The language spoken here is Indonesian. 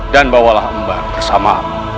dan bawalah hamba bersama